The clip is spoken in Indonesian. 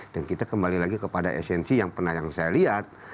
dan kita kembali lagi kepada esensi yang pernah yang saya lihat